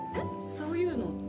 そういうのって？